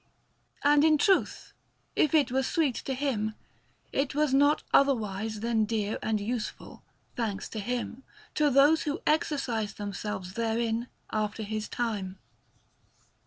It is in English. And in truth, if it was sweet to him, it was not otherwise than dear and useful, thanks to him, to those who exercised themselves therein after his time.